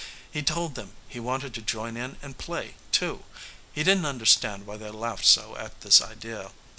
He told them he wanted to join in and play, too. He didn't understand why they laughed so at this idea.